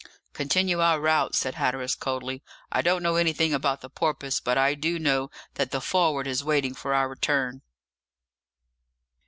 "Continue our route," said Hatteras coldly. "I don't know anything about the Porpoise, but I do know that the Forward is waiting for our return."